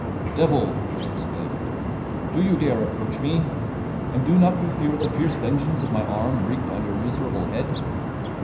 "Devil," I exclaimed, "do you dare approach me? And do not you fear the fierce vengeance of my arm wreaked on your miserable head?